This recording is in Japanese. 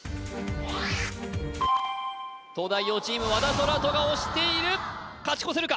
東大王チーム和田空大が押している勝ち越せるか？